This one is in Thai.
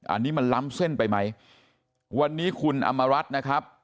อันนี้มันล้ำเส้นไปไหมวันนี้คุณอำมารัฐนะครับ